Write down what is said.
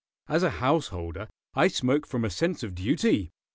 "As a householder I smoke from a sense of duty.